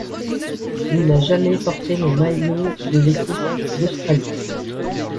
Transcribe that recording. Il n'a jamais porté le maillot de l'équipe d'Australie.